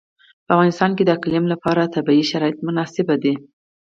په افغانستان کې د اقلیم لپاره طبیعي شرایط مناسب دي.